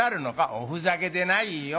「おふざけでないよ。